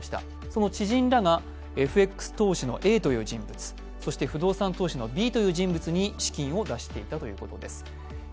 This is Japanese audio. その知人らがＦＸ投資のＡという人物、そして不動産投資のＢという人物に資金を出していたということです。